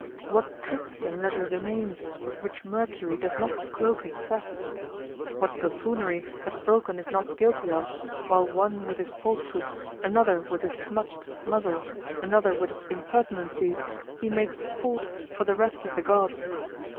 What tricks and legerdemains with which Mercury does not cloak his thefts? What buffoonery that Vulcan is not guilty of, while one with his polt foot, another with his smutched muzzle, another with his impertinencies, he makes sport for the rest of the gods?